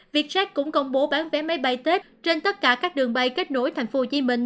việc sát cũng công bố bán vé máy bay tết trên tất cả các đường bay kết nối thành phố hồ chí minh